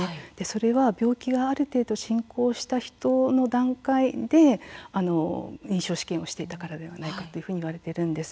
病気がある程度進行した段階の人で臨床試験をしていたからではないかと言われているんです。